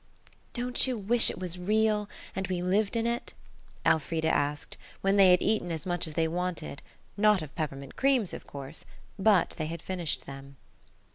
"Don't you wish it was real, and we lived in it?" Elfrida asked, when they had eaten as much as they wanted–not of peppermint creams, of course; but they had finished them.